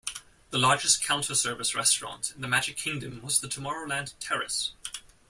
The largest counter service restaurant in the Magic Kingdom was the Tomorrowland Terrace.